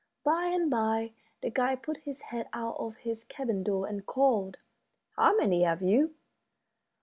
By and by the guide put his head out of his cabin door and called, "How many have you?"